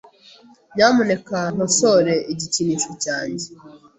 Nyamuneka nkosore igikinisho cyanjye .